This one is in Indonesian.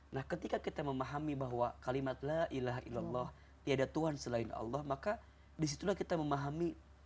nah ketika kita memahami bahwa kalimat la ilaha illallah tiada tuhan selain allah maka disitulah kita memahami